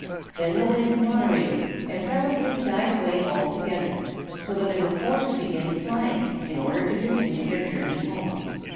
Then the wind moderated, and presently died away altogether, so that they were forced to begin flying in order to continue their journey home.